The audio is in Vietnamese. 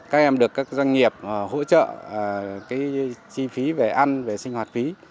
các em được các doanh nghiệp hỗ trợ chi phí về ăn về sinh hoạt phí